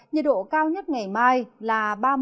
nhiệt độ cao nhất ngày mai là ba mươi một ba mươi năm